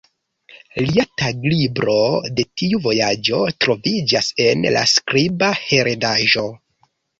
Lia taglibro de tiu vojaĝo troviĝas en la skriba heredaĵo.